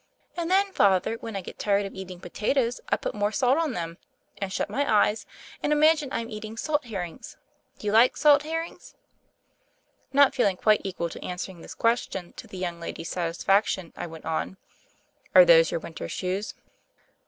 And tnen, Father, when I get tired of eat ing potatoes I put more salt on them, and shut my eyes, and imagine I'm eating salt herrings. Do you like salt herrings?" Not feeling quite equal to answering this ques tion to the young lady's satisfaction, 1 went on : "Are those your winter shoes?"